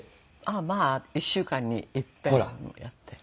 まあ１週間にいっぺんやってる。